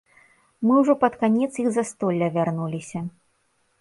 Мы ўжо пад канец іх застолля вярнуліся.